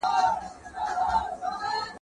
ایا لوی صادروونکي ممیز صادروي؟